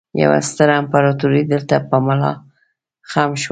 يوه ستره امپراتورۍ دلته په ملا خم شوه